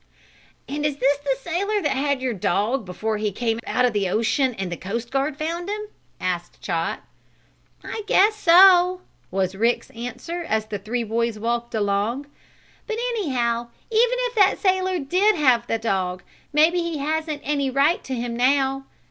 "And is this the sailor that had your dog before he come up out of the ocean and the coast guard found him?" asked Chot. "I guess so," was Rick's answer as the three boys walked along. "But, anyhow, even if that sailor did have the dog, maybe he hasn't any right to him now.